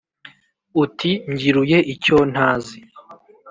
uti: mbyiruye icyontazi